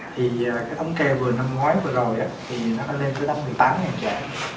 thì cái thống kê vừa năm ngoái vừa rồi thì nó lên tới một mươi tám trẻ